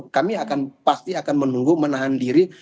kami akan pasti akan menunggu menahan diri